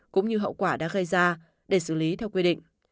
cũng như hậu quả đã gây ra để xử lý theo quy định